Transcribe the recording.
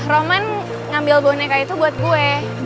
roman ngambil boneka itu buat gue